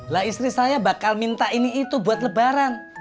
lah istri saya bakal minta ini itu buat lebaran